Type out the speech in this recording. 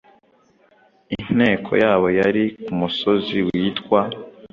Inteko yabo yari ku musozi witwa